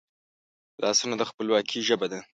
لاسونه د خپلواکي ژبه ده